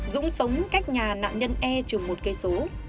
dũng sống cách nhà nạn nhân e chừng một km